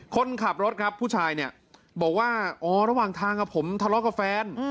คนขับรถครับผู้ชายเนี่ยบอกว่าอ๋อระหว่างทางผมทะเลาะกับแฟน